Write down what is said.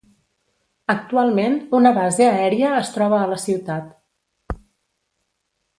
Actualment, una base aèria es troba a la ciutat.